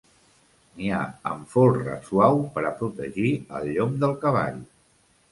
N'hi ha amb folre suau per a protegir el llom del cavall.